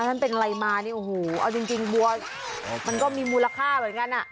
ท่านเป็นอะไรมานี่โอ้โหเอาจริงบัวมันก็มีมูลค่าเหมือนกันอ่ะ